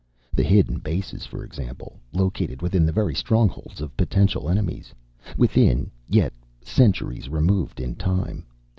The hidden bases, for example, located within the very strongholds of potential enemies within, yet centuries removed in time.